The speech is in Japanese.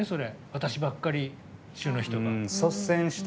私ばっかり種の人が。